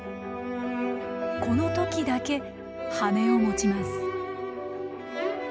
この時だけ羽を持ちます。